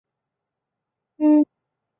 日本的菜刀也被称之为庖丁。